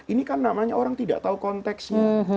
ini kan namanya orang tidak tahu konteksnya